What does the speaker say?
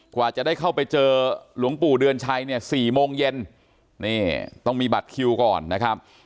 กว่าจะได้เข้าไปเจอหลวงปู่เดือนชัยเนี่ย๔โมงเย็นนี่ต้องมีบัตรคิวก่อนนะครับ